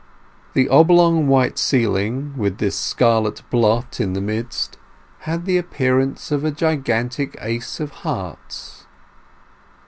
The oblong white ceiling, with this scarlet blot in the midst, had the appearance of a gigantic ace of hearts.